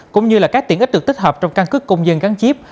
cũng như các tiện ích được tích hợp trong căn cứ công dân gắn chip